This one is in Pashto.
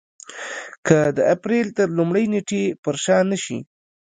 که د اپرېل تر لومړۍ نېټې پر شا نه شي.